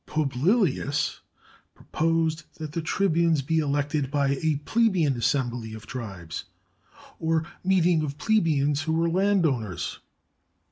Publilius proposed that the tribunes be elected by a plebeian assembly of tribes, or meeting of plebeians who were landowners.